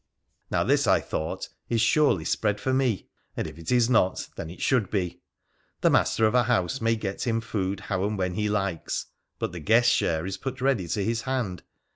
' Now this, I thought, is surely spread for me, and if it is not then it should be. The master of a house may get him food how and when he likes ; but the guest's share is put ready to his hand.